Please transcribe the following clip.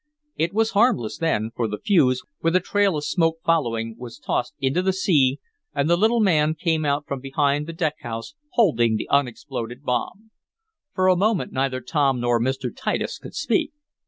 It was harmless then, for the fuse, with a trail of smoke following, was tossed into the sea, and the little man came out from behind the deck house, holding the unexploded bomb. For a moment neither Tom nor Mr. Titus could speak.